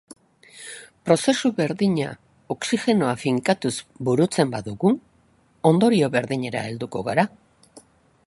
Prozesu berdina oxigenoa finkatuz burutzen badugu, ondorio berdinera helduko gara.